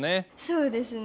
そうですね。